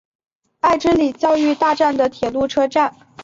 爱之里教育大站的铁路车站。